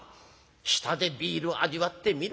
「舌でビールを味わってみろ。